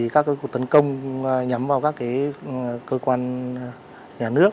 các cuộc tấn công nhắm vào các cơ quan nhà nước